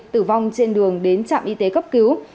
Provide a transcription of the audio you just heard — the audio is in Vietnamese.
tử vong trên đường đến trạm y tế cấp cứu